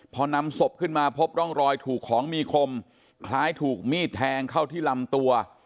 พอนำศพขึ้นมาพบร่องรอยถูกของมีคมคล้ายถูกมีดแทงเข้าที่ลำตัว